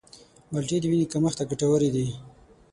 مالټې د وینې کمښت ته ګټورې دي.